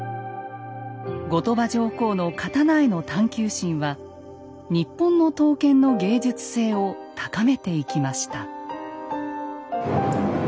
後鳥羽上皇の刀への探究心は日本の刀剣の芸術性を高めていきました。